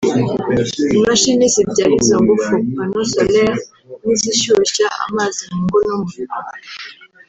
imashini zibyara izo ngufu (Panneaux Solaires) n’izishyushya amazi mu ngo no mu bigo